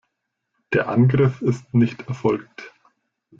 Der Angriff ist nicht erfolgt.